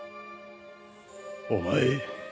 お前。